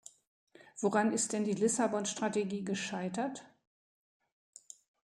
Woran ist denn die Lissabon-Strategie gescheitert?